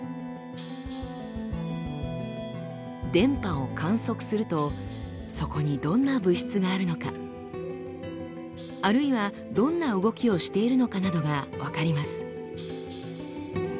電波を観測するとそこにどんな物質があるのかあるいはどんな動きをしているのかなどが分かります。